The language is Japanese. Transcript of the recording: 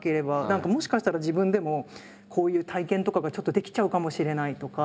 何かもしかしたら自分でもこういう体験とかがちょっとできちゃうかもしれないとか。